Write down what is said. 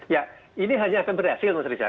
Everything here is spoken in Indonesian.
ya ini hanya akan berhasil mas riza